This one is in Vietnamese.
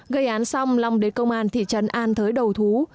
gây án xong long đến công an thị trấn an thới đầu thú